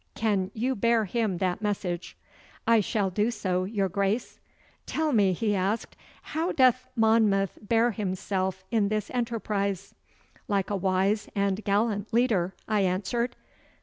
Can you bear him that message?' 'I shall do so, your Grace. 'Tell me,' he asked, 'how doth Monmouth bear himself in this enterprise?' 'Like a wise and gallant leader,' I answered.